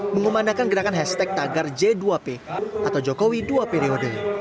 mengumanakan gerakan hashtag tagar j dua p atau jokowi dua periode